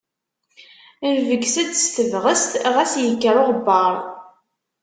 Nebges-d s tebɣest, ɣas yekker uɣebbaṛ.